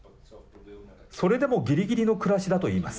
それでもぎりぎりの暮らしだと言います。